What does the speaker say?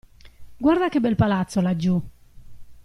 Guarda che bel palazzo laggiù.